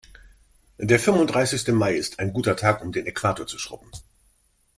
Der fünfunddreißigste Mai ist ein guter Tag, um den Äquator zu schrubben.